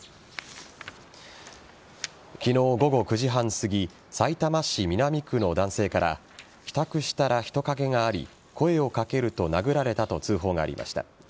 昨日、午後９時半すぎさいたま市南区の男性から帰宅したら人影があり声を掛けると殴られたと通報がありました。